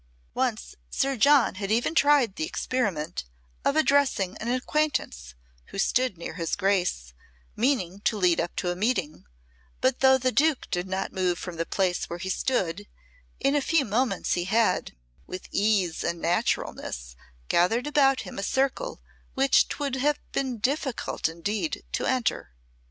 Once Sir John had even tried the experiment of addressing an acquaintance who stood near his Grace, meaning to lead up to a meeting, but though the Duke did not move from the place where he stood, in a few moments he had, with ease and naturalness, gathered about him a circle which 'twould have been difficult indeed to enter.